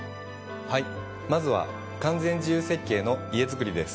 はいまずは完全自由設計の家づくりです。